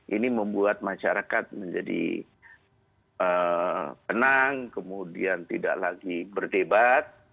ini membuat masyarakat menjadi tenang kemudian tidak lagi berdebat